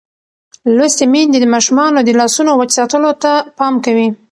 لوستې میندې د ماشومانو د لاسونو وچ ساتلو ته پام کوي.